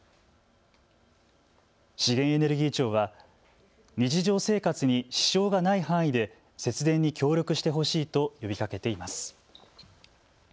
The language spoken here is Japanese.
資源エネルギー庁は日常生活に支障がない範囲で節電に協力してほしいと呼びかけています。